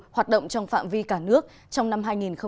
hoạt động trong phạm vi cả nước trong năm hai nghìn hai mươi